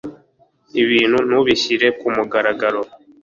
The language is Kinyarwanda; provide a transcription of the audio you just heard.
ibintu ntubishyire ku mugaragaro